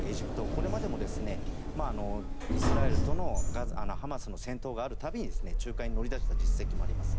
これまでもイスラエルとのハマスとの戦闘がある度に仲介に乗り出した実績もあります。